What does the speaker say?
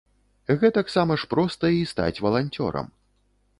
Гэтаксама ж проста і стаць валанцёрам.